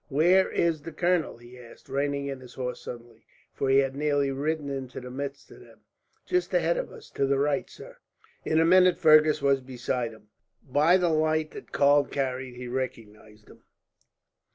"Where is the colonel?" he asked, reining in his horse suddenly, for he had nearly ridden into the midst of them. "Just ahead of us, to the right, sir." In a minute Fergus was beside him. By the light that Karl carried, he recognized him.